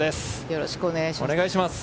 よろしくお願いします。